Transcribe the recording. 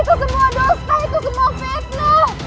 tidak kanda itu semua dosa itu semua fitnah